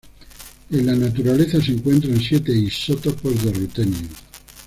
En la naturaleza se encuentran siete isótopos de rutenio.